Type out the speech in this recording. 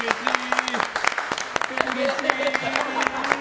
うれしい！